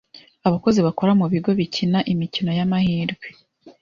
abakozi bakora mu bigo bikina imikino y’amahirwe